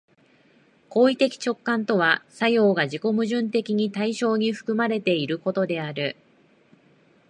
行為的直観とは作用が自己矛盾的に対象に含まれていることである。